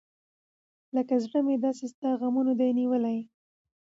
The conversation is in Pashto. لکه زړه مې داسې ستا غمونه دى نیولي .